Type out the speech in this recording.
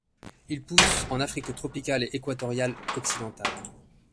Il pousse en Afrique tropicale et équatoriale occidentale.